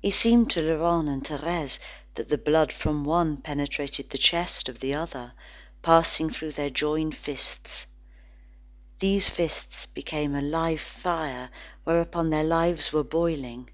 It seemed to Laurent and Thérèse that the blood from one penetrated the chest of the other, passing through their joined fists. These fists became a live fire whereon their lives were boiling.